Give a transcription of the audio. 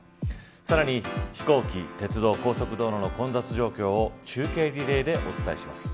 さらに、飛行機、鉄道高速道路の混雑状況を中継リレーでお伝えします。